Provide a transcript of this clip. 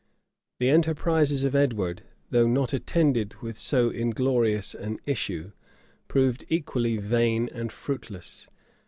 The enterprises of Edward, though not attended with so inglorious an issue, proved equally vain and fruitless.